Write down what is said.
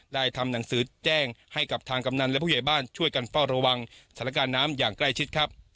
ทำหนังสือแจ้งให้กับทางกำนันและผู้ใหญ่บ้านช่วยกันเฝ้าระวังสถานการณ์น้ำอย่างใกล้ชิดครับ